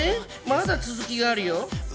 まだ続きがあるよ。